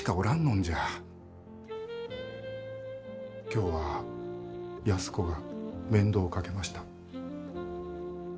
今日は安子が面倒をかけました。